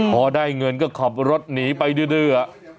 พอได้เงินก็ขับรถหนีไปดื้อ